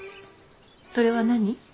それは何。